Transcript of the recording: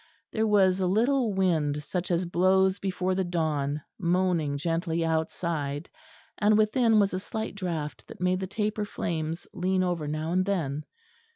There was a little wind such as blows before the dawn moaning gently outside; and within was a slight draught that made the taper flames lean over now and then.